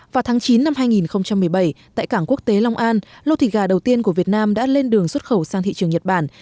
vào tháng chín năm hai nghìn một mươi bảy tại cảng quốc tế long an lô thịt gà đầu tiên của việt nam đã lên đường xuất khẩu sang thị trường nhật bản